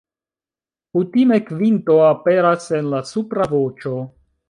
Kutime kvinto aperas en la supra voĉo.